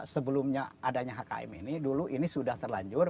sebelumnya adanya hkm ini dulu ini sudah terlanjur